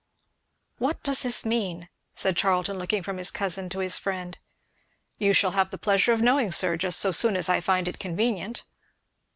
"What does this mean?" said Charlton looking from his cousin to his friend. "You shall have the pleasure of knowing, sir, just so soon as I find it convenient."